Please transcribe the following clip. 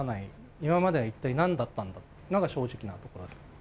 今までは一体なんだったんだっていうのが正直なところ。